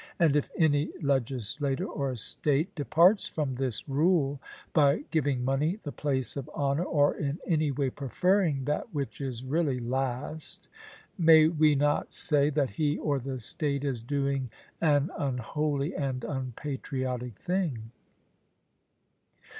And if any legislator or state departs from this rule by giving money the place of honour, or in any way preferring that which is really last, may we not say, that he or the state is doing an unholy and unpatriotic thing?